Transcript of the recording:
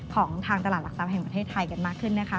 ของทางตลาดหลักทรัพย์แห่งประเทศไทยกันมากขึ้นนะคะ